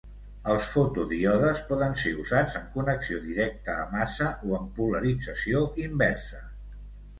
Els fotodíodes poden ser usats en connexió directa a massa o en polarització inversa.